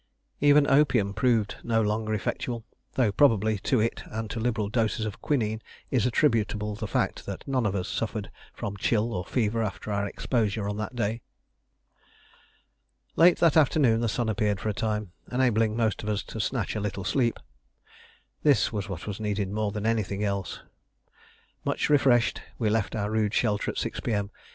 Even opium proved no longer effectual, though probably to it and to liberal doses of quinine is attributable the fact that none of us suffered from chill or fever after our exposure on that day. Late that afternoon the sun appeared for a time, enabling most of us to snatch a little sleep. This was what was needed more than anything else. Much refreshed, we left our rude shelter at 6 P.M.